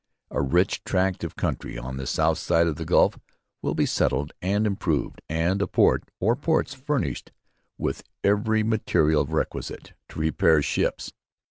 A rich tract of country on the South Side of the Gulph will be settled and improved, and a port or ports furnished with every material requisite to repair ships.'